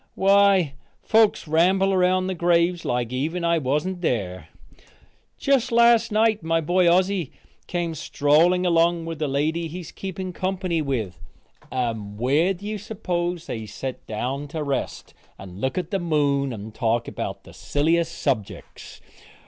Why folks ramble around the graves like even I wasn't there. Just last night my boy Ossy came strolling along with the lady he is keeping company with, and where do you s'pose they set down to rest, and look at the moon and talk about the silliest subjecks?